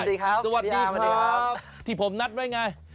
สวัสดีครับสวัสดีครับที่ผมนัดไว้ไง